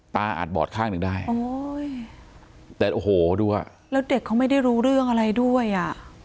อาจบอดข้างหนึ่งได้โอ้ยแต่โอ้โหดูอ่ะแล้วเด็กเขาไม่ได้รู้เรื่องอะไรด้วยอ่ะ